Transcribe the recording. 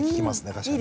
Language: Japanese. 確かに。